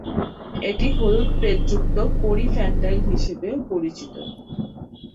এটি হলুদ-পেটযুক্ত পরী-ফ্যান্টাইল হিসাবেও পরিচিত।